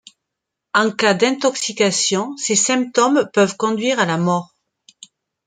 En cas d'intoxication, ces symptômes peuvent conduire à la mort.